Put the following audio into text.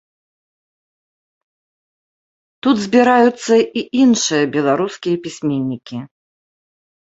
Тут збіраюцца і іншыя беларускія пісьменнікі.